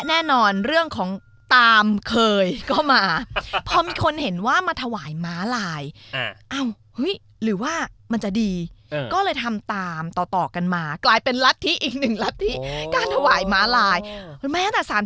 ฝรั่งคนนี้เขาเอามาลายไปถวายแล้ว